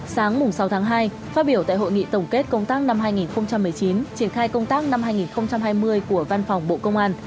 sáng sáu tháng hai phát biểu tại hội nghị tổng kết công tác năm hai nghìn một mươi chín triển khai công tác năm hai nghìn hai mươi của văn phòng bộ công an